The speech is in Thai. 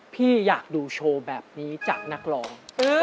พี่อยากดูโชว์แบบนี้จากนักร้อง